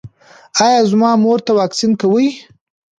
ایا زما مور ته واکسین کوئ؟